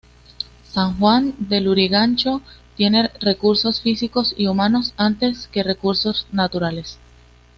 San Juan de Lurigancho tiene recursos físicos y humanos antes que recursos naturales.